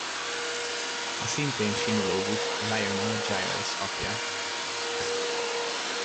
A szintén sinológus Lionel Giles apja.